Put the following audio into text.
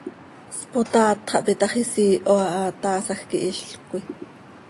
Spotaat xah pi ta x, isiiho aha, taasaj quihizlc coi.